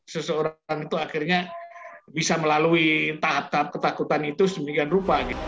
seseorang itu akhirnya bisa melalui tahap tahap ketakutan itu sehingga berupa